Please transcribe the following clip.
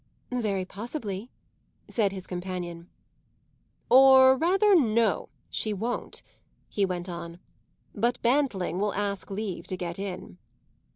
"Very possibly," said his companion. "Or rather, no, she won't," he went on. "But Bantling will ask leave to get in."